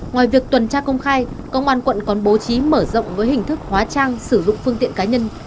ngoài việc tuần tra công khai công an quận còn bố trí mở rộng với hình thức hóa trang sử dụng phương tiện cá nhân